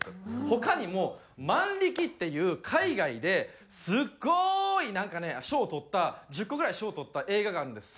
他にも『ＭＡＮＲＩＫＩ』っていう海外ですごいなんかね賞をとった１０個ぐらい賞をとった映画があるんです。